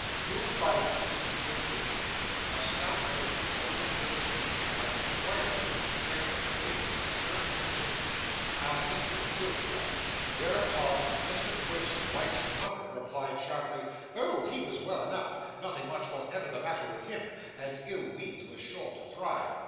Moved by these considerations, a stout lady opened the proceedings by inquiring, with an air of great concern and sympathy, how Mr Quilp was; whereunto Mr Quilp's wife's mother replied sharply, 'Oh! He was well enough nothing much was ever the matter with him and ill weeds were sure to thrive.